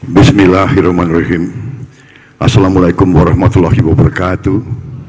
bismillahirrahmanirrahim assalamualaikum warahmatullahi wabarakatuh